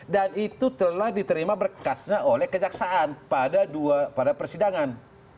dan itu telah diterima berkasnya oleh kejaksaan pada persidangan